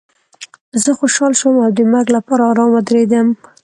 زه خوشحاله شوم او د مرګ لپاره ارام ودرېدم